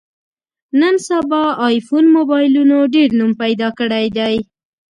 نن سبا ایفون مبایلونو ډېر نوم پیدا کړی دی.